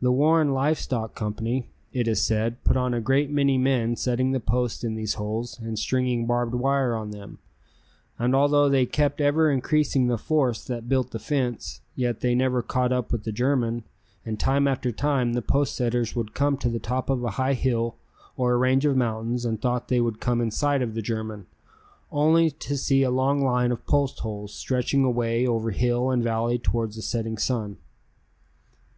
The Warren Live Stock Company, it is said, put on a great many men setting the posts in these holes and stringing barbed wire on them, and although they kept ever increasing the force that built the fence, yet they never caught up with the German, and time after time the post setters would come to the top of a high hill or a range of mountains and thought they would come in sight of the German, only to see a long line of post holes stretching away over hill and valley towards the setting sun.